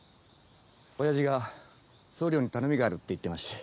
親父が総領に頼みがあるって言ってまして。